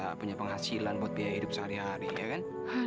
nggak punya penghasilan buat biaya hidup sehari hari ya kan